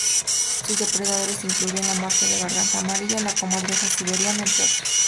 Sus depredadores incluyen la marta de garganta amarilla, la comadreja siberiana, entre otros.